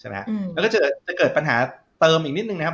แล้วก็จะเกิดปัญหาเติมอีกนิดนึงนะครับ